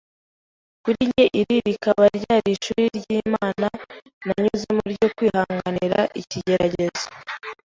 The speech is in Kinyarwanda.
Kuri njye iri rikaba ryari ishuri ry’Imana nanyuzemo ryo kwihanganira ikigeragezo